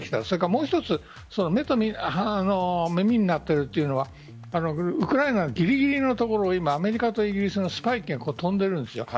それからもう１つ目と耳になっているというのはウクライナぎりぎりのところを今アメリカとイギリスのスパイ機が飛んでいるんです。